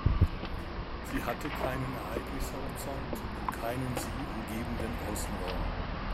Sie hatte keinen Ereignishorizont und keinen sie umgebenden Außenraum.